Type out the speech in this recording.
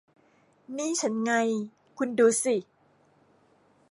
นี่ฉันไง คุณดูสิ